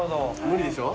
無理でしょ？